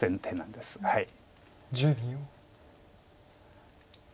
１０秒。